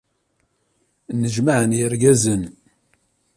Nnejmaan yergazen.